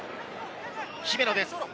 姫野です。